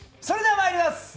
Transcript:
それではまいります。